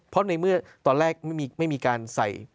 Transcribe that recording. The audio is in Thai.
เพราะในเมื่อตอนแรกไม่มีการใส่